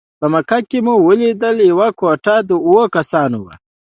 په مکه کې مو ولیدل یوه کوټه د اوو کسانو وه.